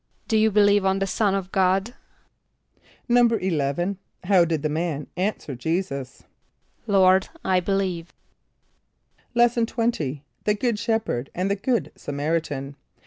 ="Do you believe on the Son of God?"= =11.= How did the man answer J[=e]´[s+]us? ="Lord, I believe."= Lesson XX. The Good Shepherd and the Good Samaritan.